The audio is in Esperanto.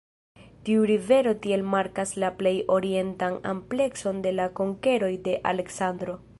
Tiu rivero tiel markas la plej orientan amplekson de la konkeroj de Aleksandro.